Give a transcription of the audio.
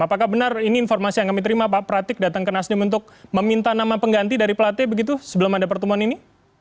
apakah benar ini informasi yang kami terima pak pratik datang ke nasdem untuk meminta nama pengganti dari pelatih begitu sebelum ada pertemuan ini